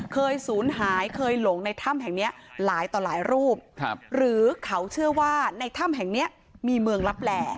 ศูนย์หายเคยหลงในถ้ำแห่งเนี้ยหลายต่อหลายรูปหรือเขาเชื่อว่าในถ้ำแห่งเนี้ยมีเมืองลับแหล่